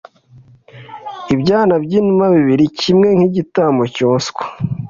ibyana by'inuma bibiri, kimwe nk'igitambo cyoswa,